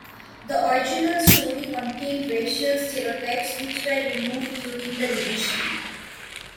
The original story contained racial stereotypes which were removed during the revision.